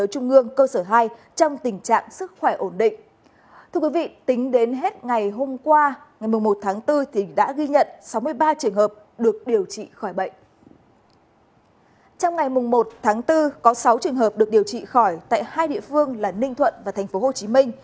trong ngày một tháng bốn có sáu trường hợp được điều trị khỏi tại hai địa phương là ninh thuận và tp hcm